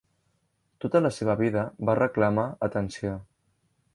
Tota la seva vida va reclamar atenció.